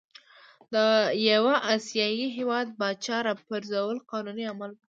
د یوه آسیايي هیواد پاچا را پرزول قانوني عمل وو.